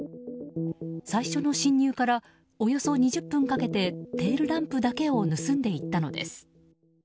最初の侵入からおよそ２０分かけてテールランプだけを盗んでいったのです。